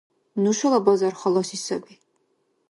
Нушала базар халаси саби